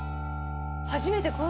初めて。